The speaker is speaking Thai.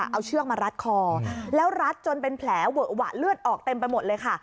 เอาเชือกมารัดคอแล้วรัดจนเป็นแผลเวอะหวะเลือดออกเต็มไปหมดเลยค่ะ